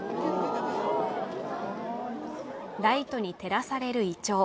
ライトに照らされるいちょう。